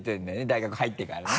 大学入ってからね。